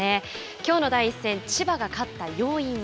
きょうの第１戦千葉が勝った要因は。